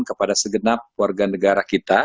kepada segenap warga negara kita